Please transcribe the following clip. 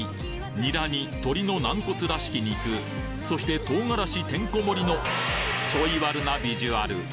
ニラに鶏の軟骨らしき肉そして唐辛子てんこ盛りのちょいワルなビジュアル！